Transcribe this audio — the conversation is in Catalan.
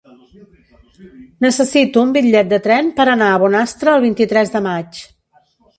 Necessito un bitllet de tren per anar a Bonastre el vint-i-tres de maig.